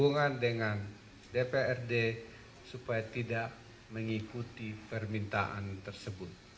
berhubungan dengan dprd supaya tidak mengikuti permintaan tersebut